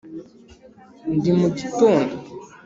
ndi mu gitondo